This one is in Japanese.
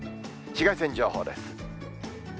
紫外線情報です。